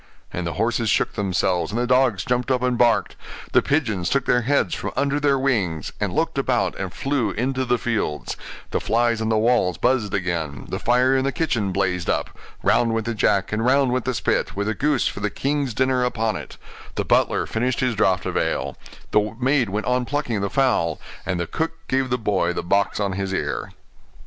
And the horses shook themselves, and the dogs jumped up and barked; the pigeons took their heads from under their wings, and looked about and flew into the fields; the flies on the walls buzzed again; the fire in the kitchen blazed up; round went the jack, and round went the spit, with the goose for the king's dinner upon it; the butler finished his draught of ale; the maid went on plucking the fowl; and the cook gave the boy the box on his ear.